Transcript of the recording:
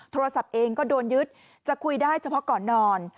โทรศัพท์เองก็โดนยึดจะคุยได้เฉพาะก่อนนอน